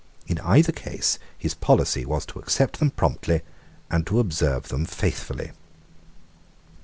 In either case his policy was to accept them promptly and to observe them faithfully.